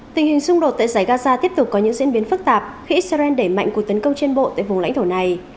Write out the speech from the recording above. tình hình xung đột tại giải gaza tiếp tục có những diễn biến phức tạp khi israel đẩy mạnh cuộc tấn công trên bộ tại vùng lãnh thổ này